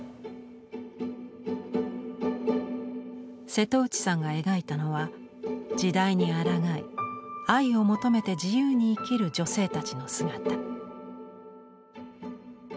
瀬戸内さんが描いたのは時代にあらがい愛を求めて自由に生きる女性たちの姿。